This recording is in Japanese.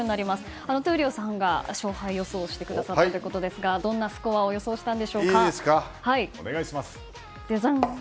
闘莉王さんが勝敗予想してくださるということですがどんなスコアを予想したんでしょうか。